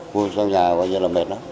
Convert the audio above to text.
phun trong nhà có nghĩa là mệt lắm